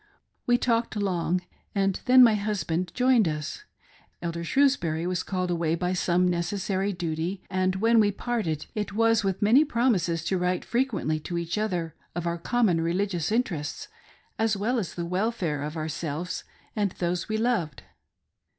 We talked long, and then my husband joined us — Elder Shrewsbury was called away by some necessary duty — and when we parted it was with many promises to write frequently to each other of our common religious interests, as well as the welfare of ourselvtes and those we loved.